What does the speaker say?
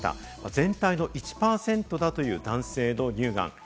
全体の１％だという男性の乳がん。